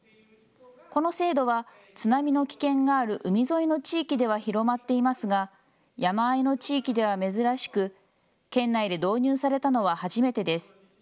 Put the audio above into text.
この制度は津波の危険がある海沿いの地域では広まっていますが山あいの地域では珍しく県内で導入されたのは初めてです。